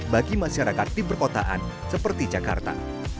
bagi masyarakat tim berkotaan seperti jakarta